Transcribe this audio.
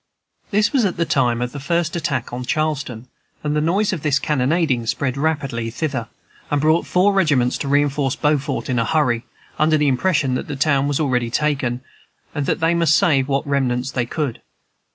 This was at the tune of the first attack on Charleston, and the noise of this cannonading spread rapidly thither, and brought four regiments to reinforce Beaufort in a hurry, under the impression that the town was already taken, and that they must save what remnants they could.